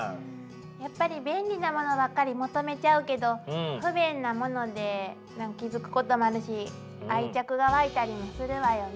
やっぱり便利なものばっかり求めちゃうけど不便なもので気付くこともあるし愛着が湧いたりもするわよね。